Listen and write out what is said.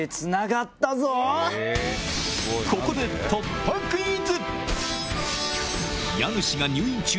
ここで突破クイズ！